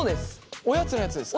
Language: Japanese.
おやつのやつですか？